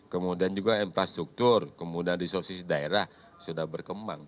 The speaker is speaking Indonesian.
kemudian juga infrastruktur kemudian disosis daerah sudah berkembang